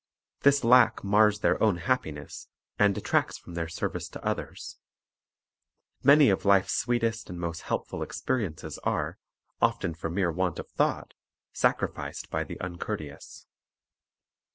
This lack mars their own happiness, and detracts from their service to others. Many of life's sweetest and most helpful experiences are, often for mere want of thought, sacrificed by the uncourteous.